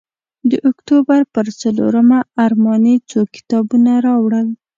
د اکتوبر پر څلورمه ارماني څو کتابه راوړل.